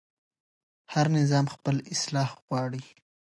هر نظام خپل اصلاح غواړي